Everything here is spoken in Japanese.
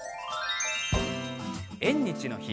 縁日の日。